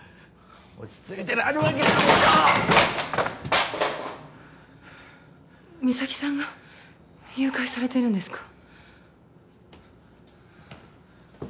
落ち着いてられるわけないでしょ実咲さんが誘拐されてるんですか？